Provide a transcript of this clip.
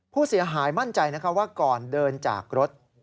ผู้เสียหายมั่นใจว่าก่อนเดินจากรถ